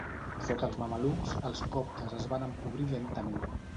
Sota els mamelucs, els coptes es van empobrir lentament.